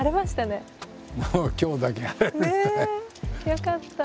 よかった。